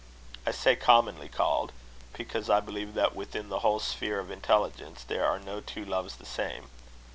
I say commonly called, because I believe that within the whole sphere of intelligence there are no two loves the same.